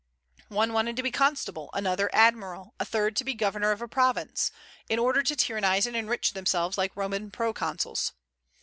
One wanted to be constable, another admiral, a third to be governor of a province, in order to tyrannize and enrich themselves like Roman proconsuls.